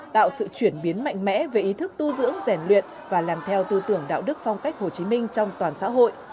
tạo sự chuyển biến mạnh mẽ về ý thức tu dưỡng rèn luyện và làm theo tư tưởng đạo đức phong cách hồ chí minh trong toàn xã hội